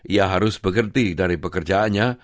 ia harus bekerja dari pekerjaannya